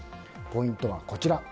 ポイントはこちら。